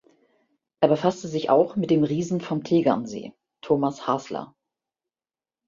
Er befasste sich auch mit dem "Riesen vom Tegernsee" (Thomas Hasler).